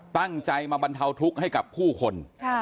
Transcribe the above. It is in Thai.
ตั้งใจมาบรรเทาทุกข์ให้กับผู้คน